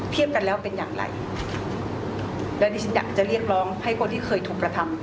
กันแล้วเป็นอย่างไรและดิฉันอยากจะเรียกร้องให้คนที่เคยถูกกระทำ